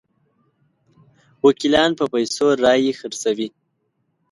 وکیلان په پیسو رایې خرڅوي.